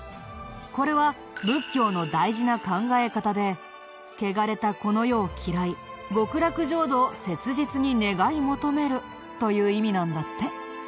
これは仏教の大事な考え方でけがれたこの世を嫌い極楽浄土を切実に願い求めるという意味なんだって。